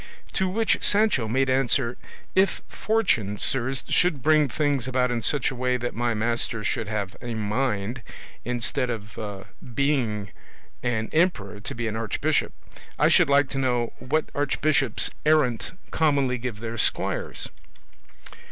To which Sancho made answer, "If fortune, sirs, should bring things about in such a way that my master should have a mind, instead of being an emperor, to be an archbishop, I should like to know what archbishops errant commonly give their squires?"